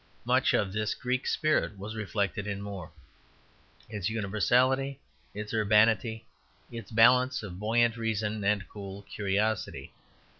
Much of this Greek spirit was reflected in More; its universality, its urbanity, its balance of buoyant reason and cool curiosity.